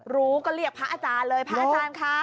รู้ก็เรียกพระอาจารย์เลยพระอาจารย์ค่ะ